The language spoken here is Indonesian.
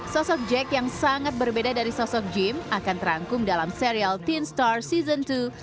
sosok jack yang sangat berbeda dari sosok jim akan terangkum dalam serial teen star season dua